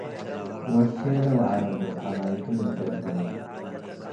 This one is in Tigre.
ወሸሌ ወዐራዶ - አባይኪ ልብዴ እብለ